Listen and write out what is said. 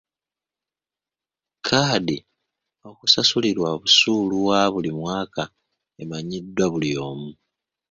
Kkaadi okusasulirwa busuulu wa buli mwaka emanyiddwa buli omu.